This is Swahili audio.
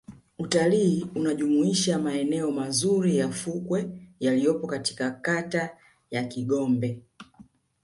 Utalii unajumuisha maeneo mazuri ya fukwe yaliyopo katika kata ya Kigombe